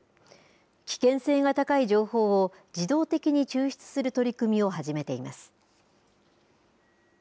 危険性が高い情報を自動的に抽出する取り組みを始めています。